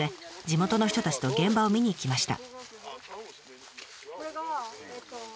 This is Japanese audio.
地元の人たちと現場を見に行きました。